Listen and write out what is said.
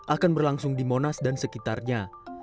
akan berlangsung di monas dan sekitarnya